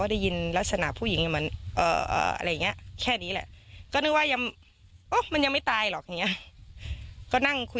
ไอพี่ดอะไรต่อไปนะ